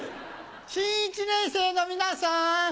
新１年生の皆さん！